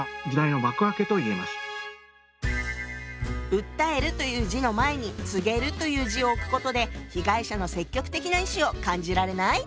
「訴える」という字の前に「告げる」という字を置くことで被害者の積極的な意思を感じられない？